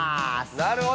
なるほど。